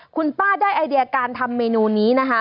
คุณป้าได้ไอเดียการทำเมนูนี้นะคะ